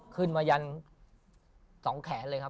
ขึ้นมายันสองแขนเลยครับ